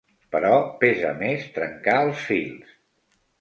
Però pesa més trencar els fils.